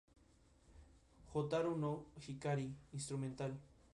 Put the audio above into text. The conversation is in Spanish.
Hotaru no Hikari: Instrumental